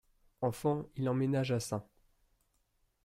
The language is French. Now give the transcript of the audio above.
Enfant, il emménage à St.